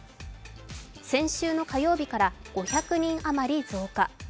先週の火曜日から５００人余り増加。